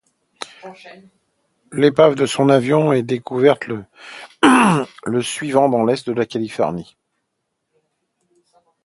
L'épave de son avion est découverte le suivant dans l'Est de la Californie.